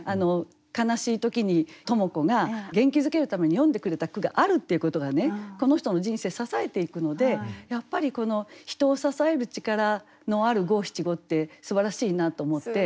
悲しい時に知子が元気づけるために詠んでくれた句があるっていうことがこの人の人生支えていくのでやっぱりこの人を支える力のある五七五ってすばらしいなと思って。